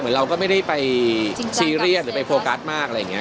เราก็ไม่ได้ไปซีเรียสหรือไปโฟกัสมากอะไรอย่างนี้